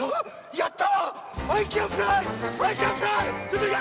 やった！